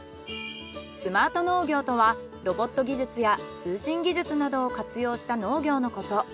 スマート農業とはロボット技術や通信技術などを活用した農業のこと。